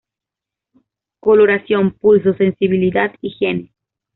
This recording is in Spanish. Coloración, pulsos, sensibilidad, higiene.